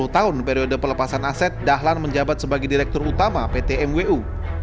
sepuluh tahun periode pelepasan aset dahlan menjabat sebagai direktur utama pt mwu